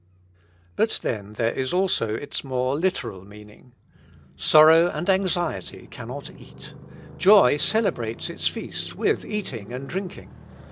But then there is also its more literal meaning. Sorrow and anxiety cannot eat: joy celebrates its feasts with eating and drinking.